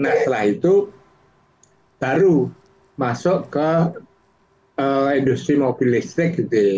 nah setelah itu baru masuk ke industri mobil listrik